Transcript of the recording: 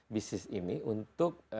bisnis ini untuk